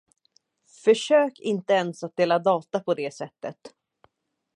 Försök inte ens att dela data på det sättet.